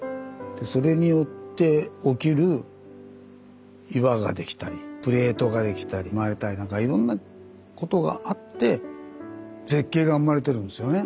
それによって起きる岩ができたりプレートができたり割れたりなんかいろんなことがあって絶景が生まれてるんですよね。